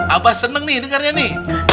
abah seneng nih dengarnya nih